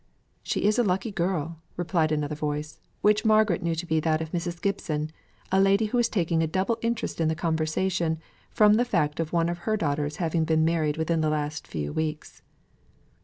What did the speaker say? "She is a lucky girl," replied another voice, which Margaret knew to be that of Mrs. Gibson, a lady who was taking a double interest in the conversation, from the fact of one of her daughters having been married within the last few weeks.